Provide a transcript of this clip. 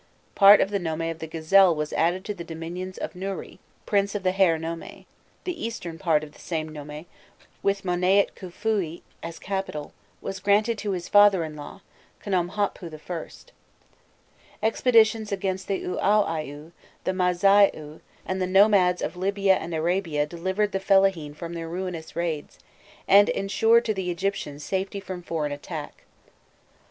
Part of the nome of the Gazelle was added to the dominions of Nûhri, prince of the Hare nome; the eastern part of the same nome, with Monaît Khûfûi as capital, was granted to his father in law, Khnûmhotpû I. Expeditions against the Ûaûaiû, the Mâzaiû, and the nomads of Libya and Arabia delivered the fellahîn from their ruinous raids and ensured to the Egyptians safety from foreign attack.